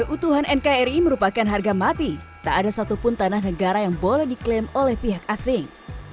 utuhan nkri merupakan harga mati tak ada satupun tanah negara yang boleh diklaim oleh pihak asing